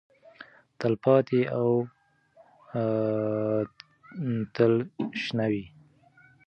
تلپاتې او تلشنه وي.